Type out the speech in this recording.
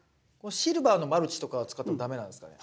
シルバーのマルチとかは使っても駄目なんですかね？